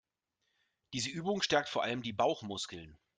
Diese Übung stärkt vor allem die Bauchmuskeln.